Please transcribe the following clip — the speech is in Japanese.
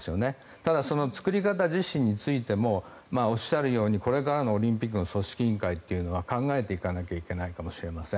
ただ、その作り方自身についてもおっしゃるようにこれからのオリンピックの組織委員会っていうのは考えていかなければいけないかもしれません。